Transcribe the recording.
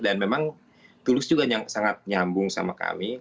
dan memang tulus juga sangat nyambung sama kami